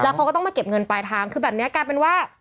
เขาก็ต้องมาเก็บเงินปลายทางคือแบบนี้กลายเป็นว่า